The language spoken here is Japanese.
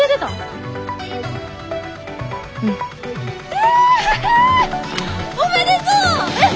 えっおめでとう！